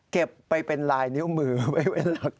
เก็บไปเป็นลายนิ้วมือไว้ไว้